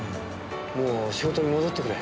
もう仕事に戻ってくれ。